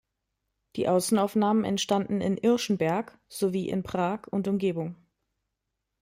Die Außenaufnahmen entstanden in Irschenberg sowie in Prag und Umgebung.